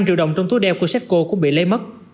năm triệu đồng trong túi đeo của seco cũng bị lấy mất